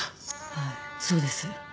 はいそうです。